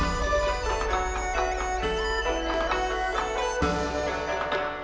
จนกว่าผมจะหมดกำลังที่ผมจะสืบสารการแสดงชอบสิงโตมังกร